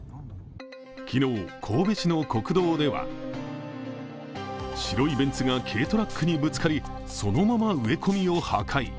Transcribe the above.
昨日、神戸市の国道では白いベンツが軽トラックにぶつかり、そのまま植え込みを破壊。